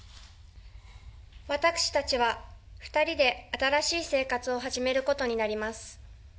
私たちは２人で新しい生活を始めることになります。